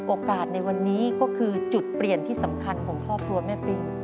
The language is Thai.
โอกาสในวันนี้ก็คือจุดเปลี่ยนที่สำคัญของครอบครัวแม่ปิ๊ง